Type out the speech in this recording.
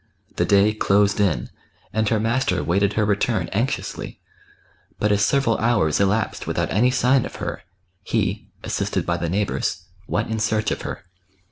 The day closed in, and her master waited her return anxiously, but as several hours elapsed without any sign of her, he — assisted by the neighbours — went in search of her.